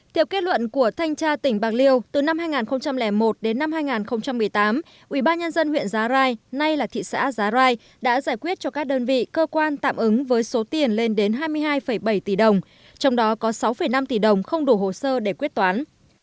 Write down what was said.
theo kết luận của thanh tra tỉnh bạc liêu từ năm hai nghìn một đến năm hai nghìn một mươi tám ubnd huyện giá rai nay là thị xã giá rai đã giải quyết cho các đơn vị cơ quan tạm ứng với số tiền lên đến hai mươi hai bảy tỷ đồng trong đó có sáu năm tỷ đồng không đủ hồ sơ để quyết toán